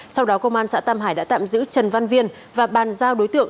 sau đó công an xã tam hải đã tạm giữ trần văn viên và bàn giao đối tượng